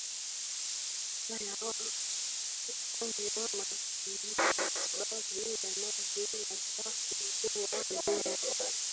Haya hufanya matibabu ya maji machafu kuwa ngumu